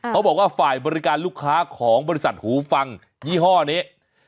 เขาบอกว่าฝ่ายบริการลูกค้าของบริษัทหูฟังยี่ห้อนี้